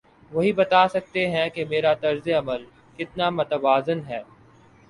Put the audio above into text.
وہی بتا سکتے ہیں کہ میرا طرز عمل کتنا متوازن ہے۔